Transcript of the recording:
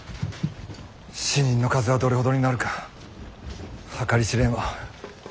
死人の数はどれほどになるか計り知れんわ。